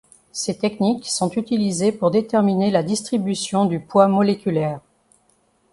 Ces techniques sont utilisées pour déterminer la distribution du poids moléculaire.